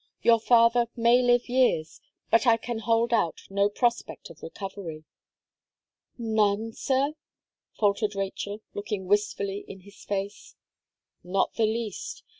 Your father may live years but I can hold out no prospect of recovery." "None, sir?" faltered Rachel, looking wistfully in his face. "Not the least.